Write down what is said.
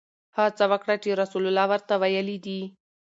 هغه څه وکړه چې رسول الله ورته ویلي دي.